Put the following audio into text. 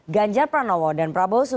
ganjar pranowo dan prabowo